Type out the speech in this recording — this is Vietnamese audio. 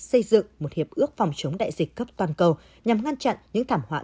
xây dựng một hiệp ước phòng chống đại dịch cấp toàn cầu nhằm ngăn chặn những thảm họa